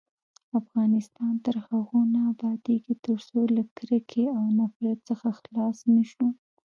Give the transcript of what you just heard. افغانستان تر هغو نه ابادیږي، ترڅو له کرکې او نفرت څخه خلاص نشو.